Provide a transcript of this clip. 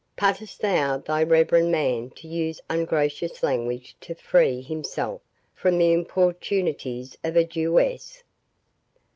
—Puttest thou the reverend man to use ungracious language to free himself from the importunities of a Jewess?"